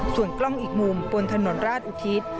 ส่วนกล้องอีกมุมบนถนนราชอุทิศ